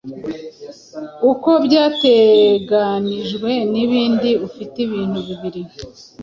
uko byateganijwenibindi ifite ibintu bibiri